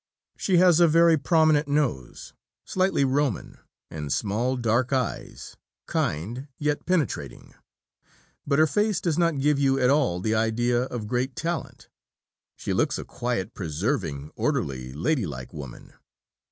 She has a very prominent nose, slightly Roman; and small dark eyes, kind, yet penetrating; but her face does not give you at all the idea of great talent. She looks a quiet, persevering, orderly, lady like woman....